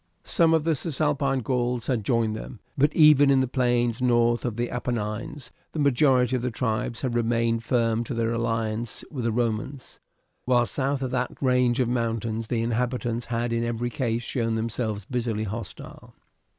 Some of the Cisalpine Gauls had joined them, but even in the plains north of the Apennines the majority of the tribes had remained firm to their alliance with the Romans, while south of that range of mountains the inhabitants had in every case shown themselves bitterly hostile.